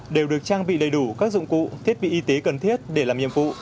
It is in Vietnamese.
đều được trang bị đầy đủ các dụng cụ thiết bị y tế cần thiết để làm nhiệm vụ